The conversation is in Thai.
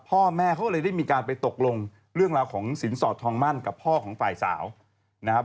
พ่อแม่เขาก็เลยได้มีการไปตกลงเรื่องราวของสินสอดทองมั่นกับพ่อของฝ่ายสาวนะครับ